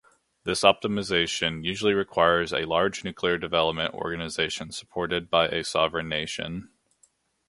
This optimization usually requires a large nuclear development organization supported by a sovereign nation.